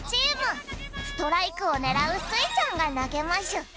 ストライクをねらうスイちゃんがなげましゅ